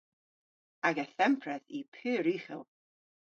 Aga thempredh yw pur ughel.